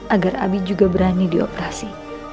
agar abi juga berani dioperasi